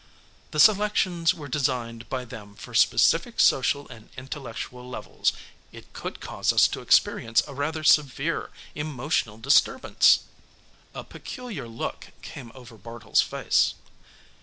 The selections were designed by them for specific social and intellectual levels. It could cause us to experience a rather severe emotional disturbance." A peculiar look came over Bartle's face.